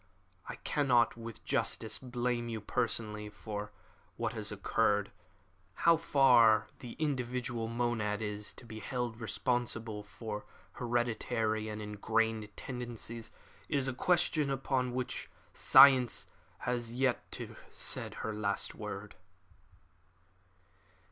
I cannot with justice blame you personally for what has occurred. How far the individual monad is to be held responsible for hereditary and engrained tendencies, is a question upon which science has not yet said her last word."